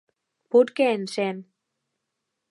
Put que encén!